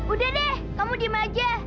udah deh kamu diem aja